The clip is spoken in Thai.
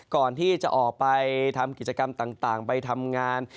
ก่อนที่จะออกไปทำกิจกรรมต่างไปทำงาน